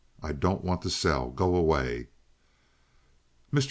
"I don't want to sell. Go away." Mr.